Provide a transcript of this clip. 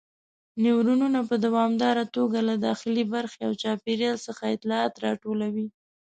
نیورونونه په دوامداره توګه له داخلي برخې او چاپیریال څخه اطلاعات راټولوي.